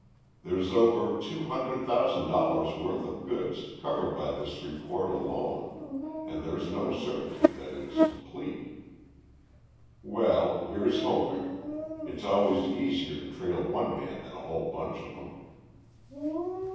There's over two hundred thousand dollars' worth of goods covered by this report alone and there's no certainty that it is complete. Well, here's hoping it's always easier to trail one man than a whole bunch of 'em."